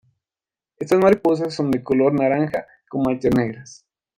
Estas mariposas son de color naranja con manchas negras.